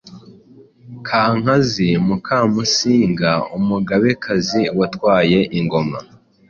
Kankazi Mukamusinga umugabekazi watwaye ingoma